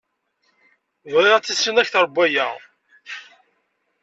Tebɣiḍ ad tissineḍ akter n waya.